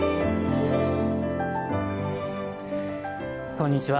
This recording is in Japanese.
こんにちは。